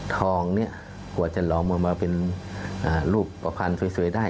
ทองกว่าจะหล่อมมาเป็นรูปประพันธ์สวยได้